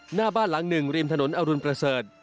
หน้าบ้านหลัง๑รีมถนนอรุณประเศษ